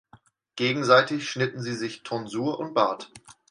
Gegenseitig schnitten sie sich Tonsur und Bart.